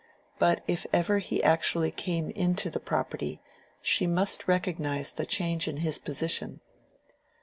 But if ever he actually came into the property, she must recognize the change in his position.